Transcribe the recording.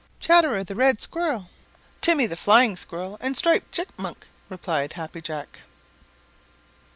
"Chatterer the Red Squirrel, Timmy the Flying Squirrel, and Striped Chipmunk," replied Happy Jack.